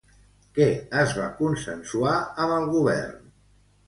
Què es va consensuar amb el Govern?